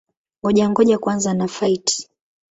Ngoja-ngoja kwanza na-fight!